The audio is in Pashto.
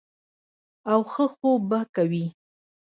او ښۀ خوب به کوي -